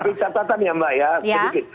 tapi catatan ya mbak ya sedikit